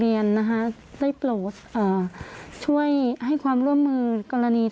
แล้วก็ย้ำว่าจะเดินหน้าเรียกร้องความยุติธรรมให้ถึงที่สุด